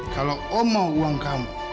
kalau oh mau uang kamu